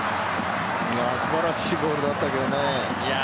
素晴らしいボールだったけどね。